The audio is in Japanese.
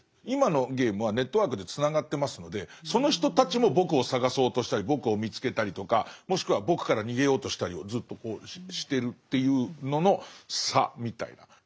今のゲームはネットワークでつながってますのでその人たちも僕を探そうとしたり僕を見つけたりとかもしくは僕から逃げようとしたりをずっとしてるっていうのの差みたいな。